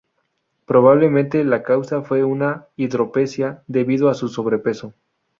Probablemente la causa fue una hidropesía debido a su sobrepeso.